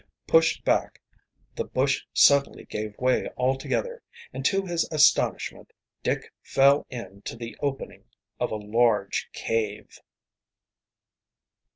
Pushed back, the bush suddenly gave way altogether, and to his astonishment Dick fell into the opening of a large cave.